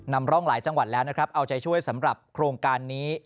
นำร่องหลายจังหวัดแล้วนะครับเอาใจช่วยสำหรับโครงการนี้